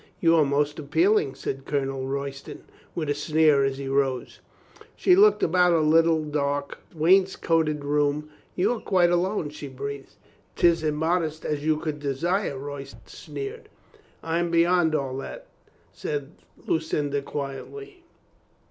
"You are most appealing," said Colonel Royston with a sneer as he rose. She looked about the little, dark, wainscoted room. "You are quite alone?" she breathed. " 'Tis immodest as you could desire," Royston sneered. "I am beyond all that," said Lucinda quietly.